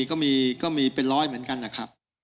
ก็มีเป็นร้อยเหมือนกันนะครับ